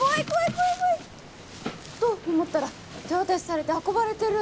怖い怖い！と思ったら手渡しされて運ばれてる。